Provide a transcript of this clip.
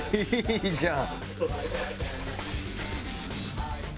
いいじゃん！